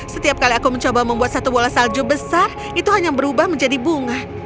setiap kali aku mencoba membuat satu bola salju besar itu hanya berubah menjadi bunga